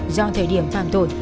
do thời điểm phạm tội